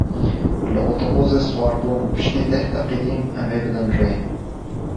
Li otobusê siwar bûm, pişti deh deqe din em ê bidin rê.